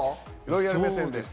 ロイヤル目線で。